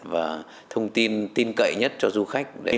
và thông tin tin cậy nhất cho du khách